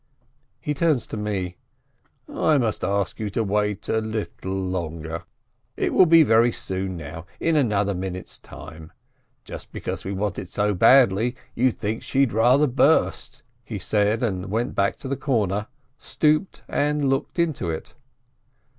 He turns to me: "I must ask you to wait a little longer. It will be very soon now — in another minute's time. Just because we want it so badly, you'd think she'd rather burst," he said, and he went back to the corner, stooped, and looked into it.